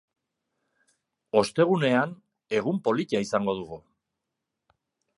Ostegunean, egun polita izango dugu.